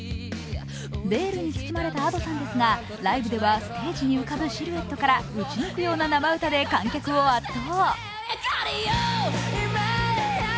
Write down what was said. ベールに包まれたＡｄｏさんですが、ライブではステージに浮かぶシルエットから撃ち抜くような生歌で観客を圧倒。